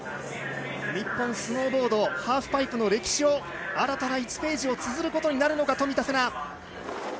日本、スノーボードハーフパイプの歴史を新たな１ページをつづることになるのか冨田せな。